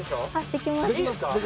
・できます